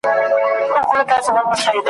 یوې تیږي درټوټه کړه ټول خوبونه